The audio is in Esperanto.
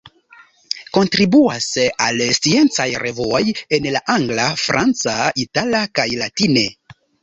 Kontribuas al sciencaj revuoj en la angla, franca, itala kaj latine.